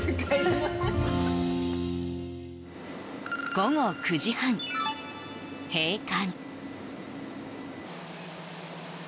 午後９時半、閉館。